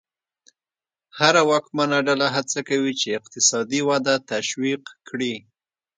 هره واکمنه ډله هڅه کوي چې اقتصادي وده تشویق کړي.